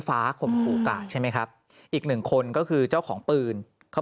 ฟ้าขมปูกาใช่ไหมครับอีก๑คนก็คือเจ้าของปืนเขา